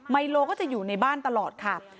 ไฮโลก็จะอยู่ในบ้านตลอดค่ะ